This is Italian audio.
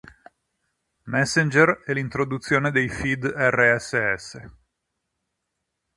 Messenger e l'introduzione dei feed Rss.